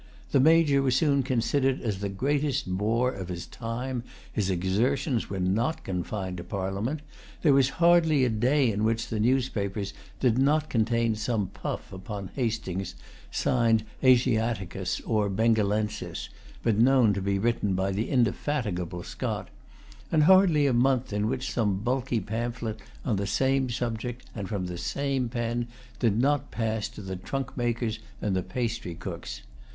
The Major was soon considered as the greatest bore of his time. His exertions were not confined to Parliament. There was hardly a day on which the newspapers did not contain some puff upon Hastings, signed Asiaticus or Bengalensis, but known to be written by the indefatigable Scott; and hardly a month in which some bulky pamphlet on the same subject, and from the same pen, did not pass to the trunk makers and the pastry cooks.